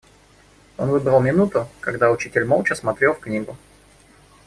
Он выбрал минуту, когда учитель молча смотрел в книгу.